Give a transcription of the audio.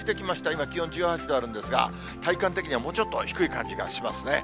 今、気温１８度あるんですが、体感的にはもうちょっと低い感じがしますね。